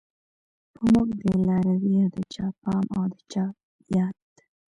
په موږ دی لارويه د چا پام او د چا ياد